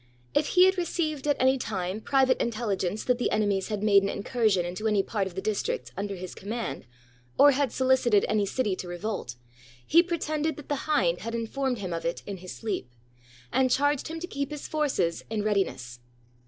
If he had received at any time private intelligence that the enemies had made an incursion into any part of the districts under his command, or had solicited any city to revolt, he pretended that the hind had informed him of it in his sleep, and charged him to keep his forces in readiness.